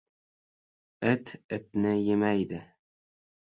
• It itni yemaydi.